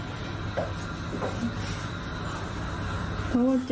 เพราะว่าเจอกันก็แค่เถียงกันเฉย